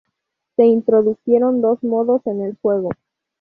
Se introdujeron dos modos en el juego.